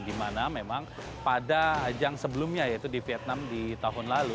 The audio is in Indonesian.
di mana memang pada ajang sebelumnya yaitu di vietnam di tahun lalu